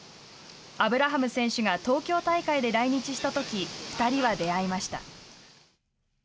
アブラハム選手が東京大会で来日したとき２人は出会いました。